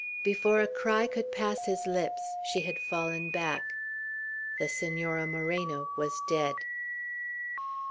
Before a cry could pass his lips, she had fallen back. The Senora Moreno was dead.